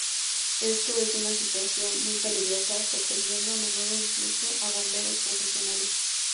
Esto es una situación muy peligrosa, sorprendiendo a menudo incluso a bomberos profesionales.